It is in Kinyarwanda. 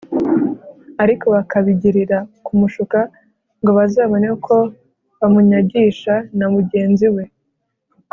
ariko bakabigirira kumushuka ngo bazabone uko bamunyagisha na mugenzi we